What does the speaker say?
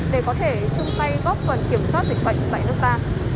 để có thể chung tay góp phần kiểm soát dịch bệnh tại nước ta